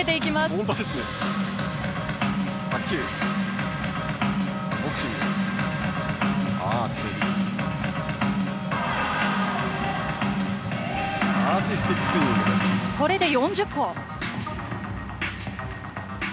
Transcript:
これで４０個。